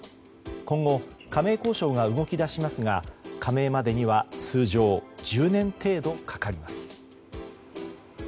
今後、加盟交渉が動き出しますが加盟までには通常１０年程度かかります。